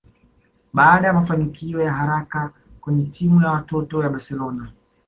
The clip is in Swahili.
Baada ya mafanikio ya haraka kwenye timu ya watoto ya Barcelona